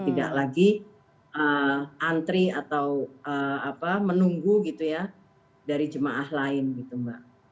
tidak lagi antri atau menunggu gitu ya dari jemaah lain gitu mbak